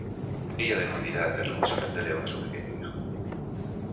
Ella decidirá hacerle un disfraz de león a su pequeño hijo.